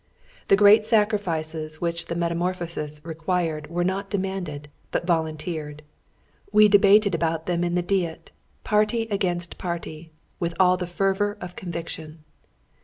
The great sacrifices which the metamorphosis required were not demanded, but volunteered. We debated about them in the Diet, party against party, with all the fervour of conviction.